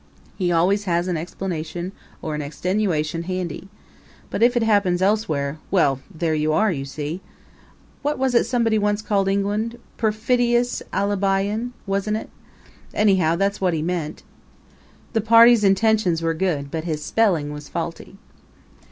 He always has an explanation or an extenuation handy. But if it happens elsewhere well, there you are, you see! What was it somebody once called England Perfidious Alibi in', wasn't it? Anyhow that was what he meant. The party's intentions were good but his spelling was faulty.